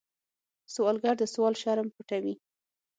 سوالګر د سوال شرم پټوي